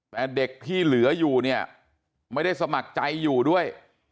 แต่เด็กที่เหลืออยู่เนี่ยไม่ได้สมัครใจอยู่ด้วย